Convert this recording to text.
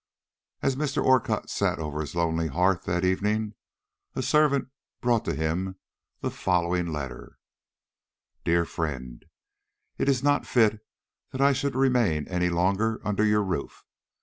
As Mr. Orcutt sat over his lonely hearth that evening, a servant brought to him the following letter: DEAR FRIEND, It is not fit that I should remain any longer under your roof.